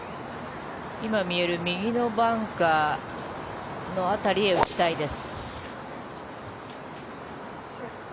今見える右のバンカー辺りへ打ちたいです。